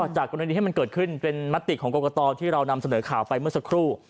จากกรณีที่มันเกิดขึ้นเป็นมติของกรกตที่เรานำเสนอข่าวไปเมื่อสักครู่